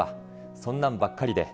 そんなんばっかりで。